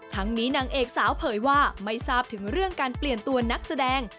ทั้งนี้นางเอกสาวเผยว่าไม่ทราบถึงเรื่องการเปลี่ยนตัวนักแสดง